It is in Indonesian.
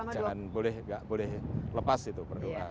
jangan boleh tidak boleh lepas itu berdoa